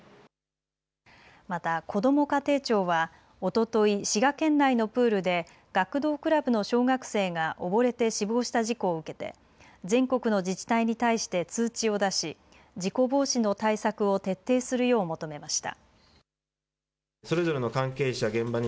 またこども家庭庁はおととい滋賀県内のプールで学童クラブの小学生が溺れて死亡した事故を受けて全国の自治体に対して通知を出し事故防止の対策を徹底するよう求めました。